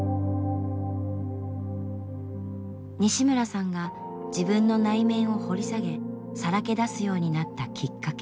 西村さんが自分の内面を掘り下げさらけ出すようになったきっかけ。